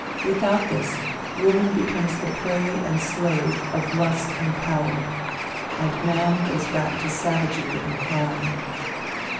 Without this, woman becomes the prey and slave of lust and power, and man goes back to savagery and crime.